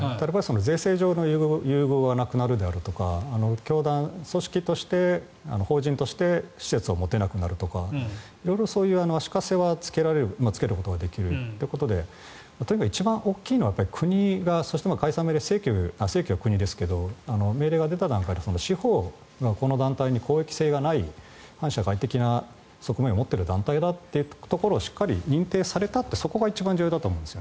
税制上の優遇はなくなるとか組織として法人として施設を持てなくなるとかより足かせはつけることができるということでとにかく一番大きいのは国が解散命令せいきゅ命令が出た段階で、司法が公益性がない反社会的な側面を持っている団体だというところをしっかり認定されたというそこが一番重要だと思います。